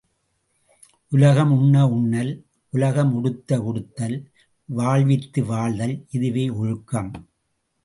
உலகம் உண்ண உண்ணல், உலகம் உடுத்த உடுத்தல், வாழ்வித்து வாழ்தல் இதுவே ஒழுக்கம்.